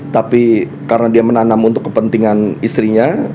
tapi karena dia menanam untuk kepentingan istrinya